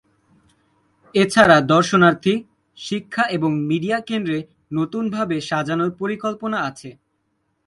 এছাড়া দর্শনার্থী, শিক্ষা এবং মিডিয়া কেন্দ্র নতুনভাবে সাজানোর পরিকল্পনা আছে।